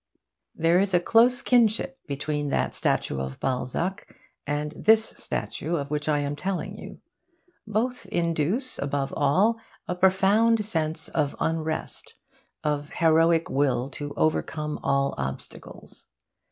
There is a close kinship between that statue of Balzac and this statue of which I am to tell you. Both induce, above all, a profound sense of unrest, of heroic will to overcome all obstacles.